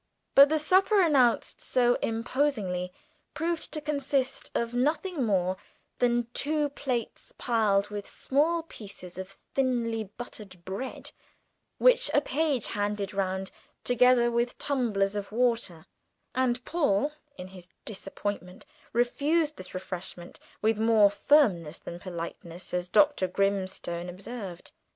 But the supper announced so imposingly proved to consist of nothing more than two plates piled with small pieces of thinly buttered bread, which a page handed round together with tumblers of water; and Paul, in his disappointment, refused this refreshment with more firmness than politeness, as Dr. Grimstone observed.